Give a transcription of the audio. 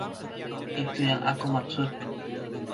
Itu yang aku maksud!